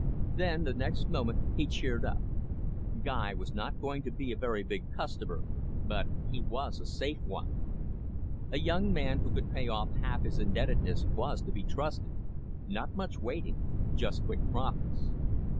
Then, the next moment, he cheered up. Guy was not going to be a very big customer, but he was a safe one. A young man who could pay off half of his indebtedness was to be trusted. Not much waiting, just quick profits.